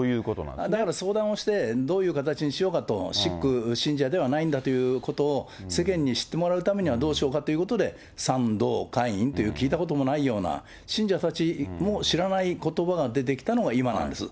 だから相談して、どういう形にしようかと、シック、信者ではないんだということを世間に知ってもらうためにはどうしようかということで、賛同会員という聞いたこともないような、信者たちも知らないことばが出てきたのが今なんです。